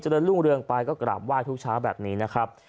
จริงเรื่องไปก็กลับไหว้ทุกช้าแบบนี้นะครับ